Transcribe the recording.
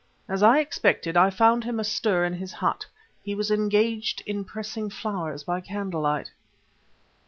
As I expected, I found him astir in his hut; he was engaged in pressing flowers by candlelight.